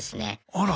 あら。